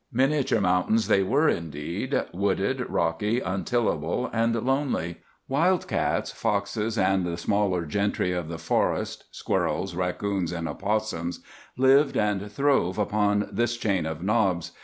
Miniature mountains they were, indeed; wooded, rocky, untillable, and lonely. Wild cats, foxes, and the smaller gentry of the forest, squirrels, raccoons, and opossums, lived and throve upon this chain of knobs.